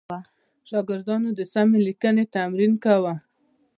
شاګردانو د سمې لیکنې تمرین کاوه.